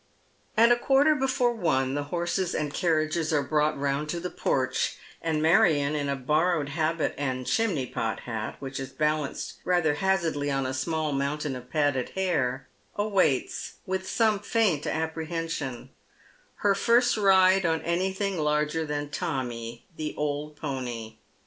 At a quarter before one the horses and carriages are brought round to the porch, and Marion, in a borrowed habit and chim ney pot hat, which is balanced rather hazaraousiy on a small mountain of padded hair, awaits, with some faint apprehension, her first ride on anything larger than Tommy, the old pony.